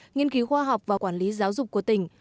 nghiên cứu khoa học và quản lý giáo dục của tỉnh